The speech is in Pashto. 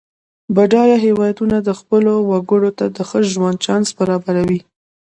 بډایه هېوادونه خپلو وګړو ته د ښه ژوند چانس برابروي.